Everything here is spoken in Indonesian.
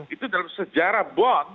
itu dalam sejarah bond